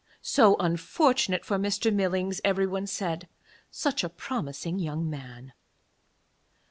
'So unfortunate for Mr. Millings,' every one said; 'such a promising young man.'